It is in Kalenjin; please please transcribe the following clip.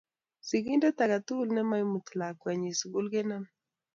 Siginde age tugul ne ma imuti lakwenyin sukul kiname